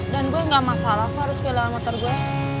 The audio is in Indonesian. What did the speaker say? dan gue ga masalah kok harus pilih lawan motor gue